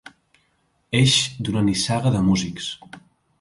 Eix d'una nissaga de músics.